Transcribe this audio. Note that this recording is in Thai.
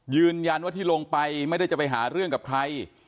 ยืนยันว่าที่ลงไปไม่ได้จะไปหาเรื่องกับใคร